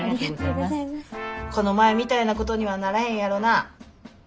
この前みたいなことにはならへんやろな？